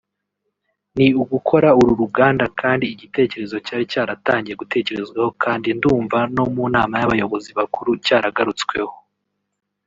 ni ugukora uru ruganda kandi igitekerezo cyari cyaratangiye gutekerezwaho kandi ndumva no mu nama y’abayobozi bakuru cyaragarutsweho